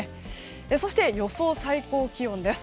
そして、予想最高気温です。